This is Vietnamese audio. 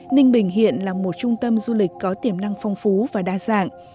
ninh bình hiện là một trung tâm du lịch có tiềm năng phong phú và đa dạng